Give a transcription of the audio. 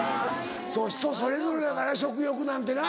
人それぞれやから食欲なんてな。